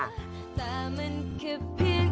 นิบ